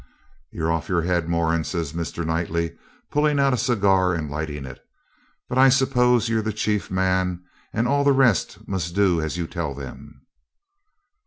'You're off your head, Moran,' says Mr. Knightley, pulling out a cigar and lighting it. 'But I suppose you're the chief man, and all the rest must do as you tell them.'